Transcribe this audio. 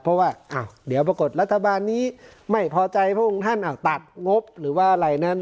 เพราะว่าเดี๋ยวปรากฏรัฐบาลนี้ไม่พอใจพระองค์ท่านตัดงบหรือว่าอะไรนั้น